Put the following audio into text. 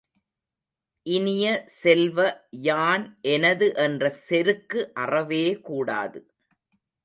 இனிய செல்வ, யான் எனது என்ற செருக்கு அறவே கூடாது!